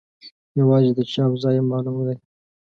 یوازې د چاپ ځای یې معلوم دی.